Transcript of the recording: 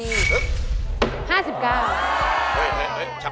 อเรนนี่มันต้องฟังอยู่ค่ะ